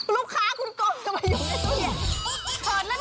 ลูกค้าคุณกงจะมาอยู่ในตู้เย็น